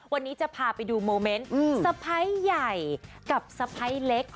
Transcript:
วันนี้จะพาไปดูโมเมนต์สะพ้ายใหญ่กับสะพ้ายเล็ก